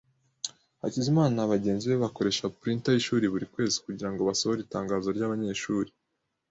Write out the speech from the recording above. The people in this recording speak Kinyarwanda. Hakizimana na bagenzi be bakoresha printer yishuri buri kwezi kugirango basohore itangazo ryabanyeshuri.